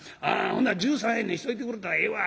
『ほんなら１３円にしといてくれたらええわ』